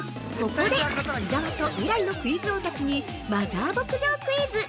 ◆ここで伊沢と未来のクイズ王たちにマザー牧場クイズ！